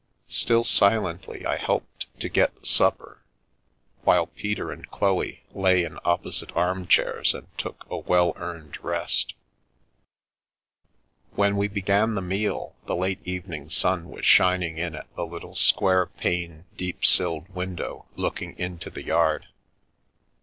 Still 112 We Increase and Multiply silently I helped to get the supper, while Peter and Chloe lay in opposite armchairs and took a well earned rest When we began the meal the late evening sun was shining in at the little square paned, deep silled window looking into the yard.